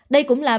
đây cũng là vấn đề